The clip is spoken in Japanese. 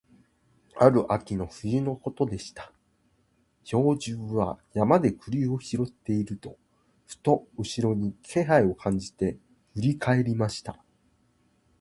ある秋のことでした、兵十は山で栗を拾っていると、ふと後ろに気配を感じて振り返りました。